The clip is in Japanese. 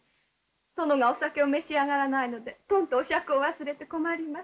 殿がお酒を召し上がらないのでとんとお酌を忘れて困ります。